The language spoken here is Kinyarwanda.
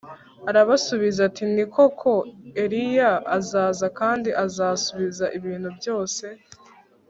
Arabasubiza ati ni koko Eliya azaza kandi azasubiza ibintu byose